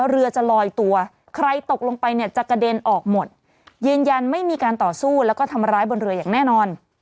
เรือจะลอยตัวใครตกลงไปเนี่ยจะกระเด็นออกหมดยืนยันไม่มีการต่อสู้แล้วก็ทำร้ายบนเรืออย่างแน่นอน